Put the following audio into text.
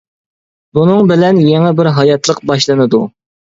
بۇنىڭ بىلەن يېڭى بىر ھاياتلىق باشلىنىدۇ.